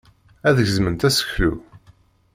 Ad gezment aseklu.